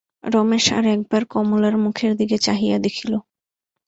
রমেশ আর-একবার কমলার মুখের দিকে চাহিয়া দেখিল।